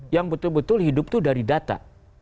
yang betul betul hidup itu dari data